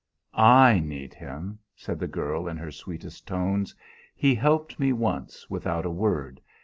"I need him," said the girl in her sweetest tones. "He helped me once, without a word.